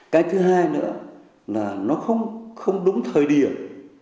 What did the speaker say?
cái thứ hai nữa là nó không đúng thời điểm